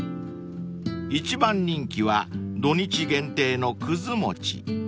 ［一番人気は土・日限定のくずもち］